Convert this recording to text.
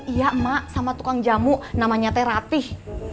iya emak sama tukang jamu namanya t ratih